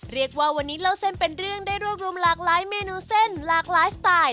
เรียกว่าวันนี้เล่าเส้นเป็นเรื่องได้รวบรวมหลากหลายเมนูเส้นหลากหลายสไตล์